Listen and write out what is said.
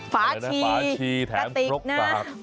ฝาชีแถมพรบฝาก